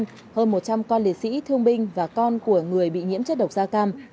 hơn một trăm linh con liệt sĩ thương binh và con của người bị nhiễm chất độc da cam